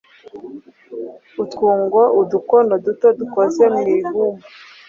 Utwungo: udukono duto dukoze mu ibumba.